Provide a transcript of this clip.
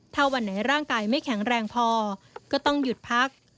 ถ้าวันไหนร่างกายไม่แข็งแรงพอก็ต้องหยุดพัก